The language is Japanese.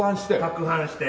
撹拌して。